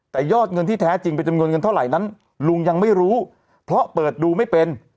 แต่ยอดเงินที่แท้จริงเป็นจำนวนเงินเท่าไหร่นั้นลุงยังไม่รู้เพราะเปิดดูไม่เป็น